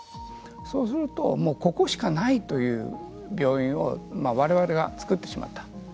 そうするとここしかないという病院を我々が作ってしまった。